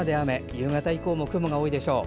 夕方以降も雲が多いでしょう。